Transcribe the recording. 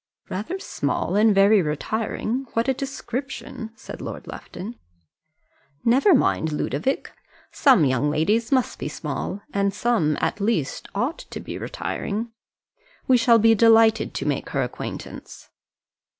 "Rather small and very retiring. What a description!" said Lord Lufton. "Never mind, Ludovic; some young ladies must be small, and some at least ought to be retiring. We shall be delighted to make her acquaintance."